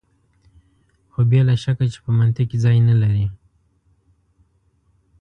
خو بې له شکه چې په منطق کې ځای نه لري.